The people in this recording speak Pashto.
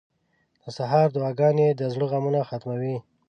• د سهار دعاګانې د زړه غمونه ختموي.